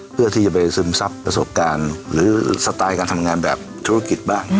เพื่อที่จะไปซึมซับประสบการณ์หรือสไตล์การทำงานแบบธุรกิจบ้าง